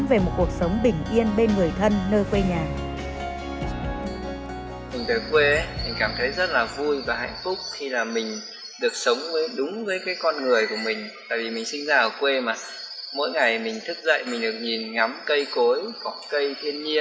về một cuộc sống bình yên bên người thân nơi quê nhà